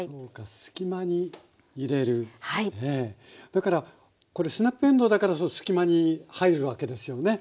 だからスナップえんどうだから隙間に入るわけですよね。